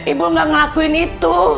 ibu nggak ngelakuin itu